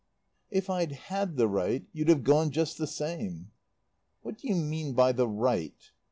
"If I'd had the right you'd have gone just the same." "What do you mean by the right?"